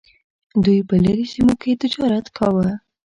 دوی په لرې سیمو کې تجارت کاوه.